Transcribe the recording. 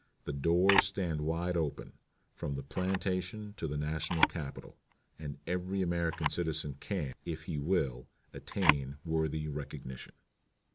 The doors stand wide open, from the plantation to the National Capitol, and every American citizen can, if he will, attain worthy recognition."